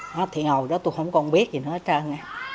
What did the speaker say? nói thiên hồ đó tôi không còn biết gì nữa hết trơn